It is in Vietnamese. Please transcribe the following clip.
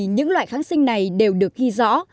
những loại kháng sinh này đều được ghi rõ